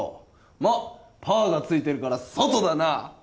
まあ「パー」がついてるから外だなぁ！